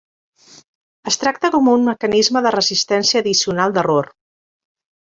Es tracta com un mecanisme de resistència addicional d'error.